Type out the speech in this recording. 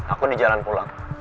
aku di jalan pulang